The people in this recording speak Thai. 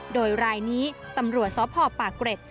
โดยรายนี้ตำรวจสพปากเกร็ด